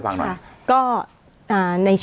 อันดับสุดท้าย